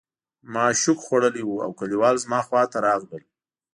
ما شوک خوړلی و او کلیوال زما خواته راغلل